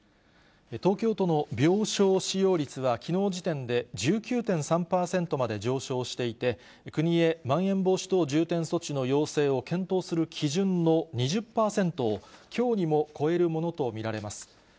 東京都の病床使用率はきのう時点で１９．３％まで上昇していて、国へまん延防止等重点措置の要請を検討する基準の２０％を、きょうにも超えるものと見られます。